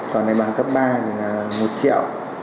còn này bằng cấp ba thì là một triệu